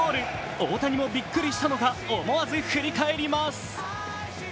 大谷もびっくりしたのか思わず振り返ります。